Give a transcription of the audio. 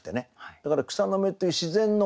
だから草の芽っていう自然のもの。